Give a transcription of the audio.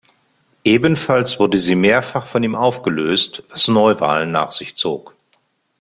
Ebenfalls wurde sie mehrfach von ihm aufgelöst, was Neuwahlen nach sich zog.